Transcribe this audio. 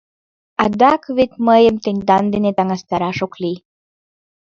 — Адак вет мыйым тендан дене таҥастараш ок лий.